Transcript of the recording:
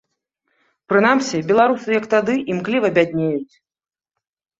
Прынамсі, беларусы, як тады, імкліва бяднеюць.